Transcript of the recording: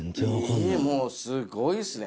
もうすごいっすね